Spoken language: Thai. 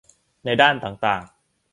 ในด้านต่างต่าง